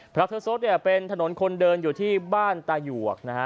พระเธอซดเนี่ยเป็นถนนคนเดินอยู่ที่บ้านตายวกนะฮะ